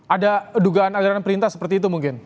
ada dugaan aliran perintah seperti itu mungkin